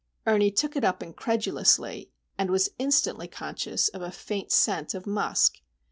Ernie took it up incredulously,—and was instantly conscious of a faint scent of musk.